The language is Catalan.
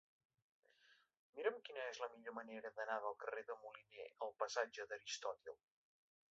Mira'm quina és la millor manera d'anar del carrer de Moliné al passatge d'Aristòtil.